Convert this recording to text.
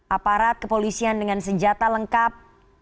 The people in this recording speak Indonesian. aparat kepolisian dengan senjata lengkap